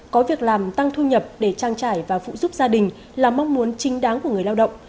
có việc làm tăng thu nhập để trang trải và phụ giúp gia đình là mong muốn chính đáng của người lao động